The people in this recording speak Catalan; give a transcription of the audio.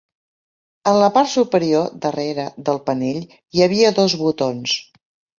En la part superior, "darrere" del panell, hi havia dos botons.